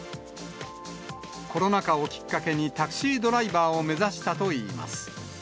コロナ禍をきっかけにタクシードライバーを目指したといいます。